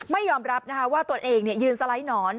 ไม่ยอมรับนะคะว่าตัวเองยืนสะลายหนอน